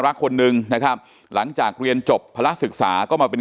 คนนึงนะครับหลังจากเรียนจบภาระศึกษาก็มาเป็น